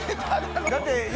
だって。